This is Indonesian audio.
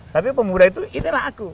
tapi pemuda itu inilah aku